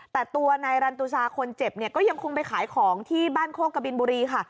แต่ตัวนายรันตุซาคนเจ็บเนี่ยก็ยังคงไปขายของที่บ้านโคกบินบุรีค่ะ